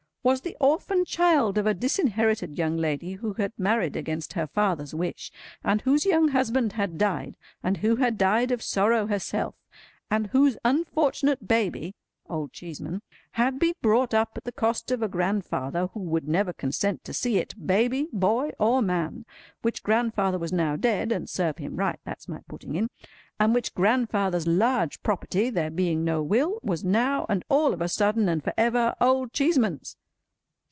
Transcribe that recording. —was the orphan child of a disinherited young lady who had married against her father's wish, and whose young husband had died, and who had died of sorrow herself, and whose unfortunate baby (Old Cheeseman) had been brought up at the cost of a grandfather who would never consent to see it, baby, boy, or man: which grandfather was now dead, and serve him right—that's my putting in—and which grandfather's large property, there being no will, was now, and all of a sudden and for ever, Old Cheeseman's!